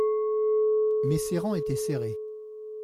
Mais ces rangs étaient serrés.